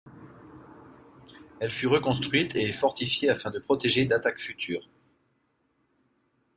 Elle fut reconstruite et fortifiée afin de la protéger d'attaques futures.